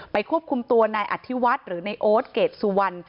ควบคุมตัวนายอธิวัฒน์หรือในโอ๊ตเกรดสุวรรณ